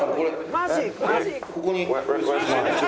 ここに。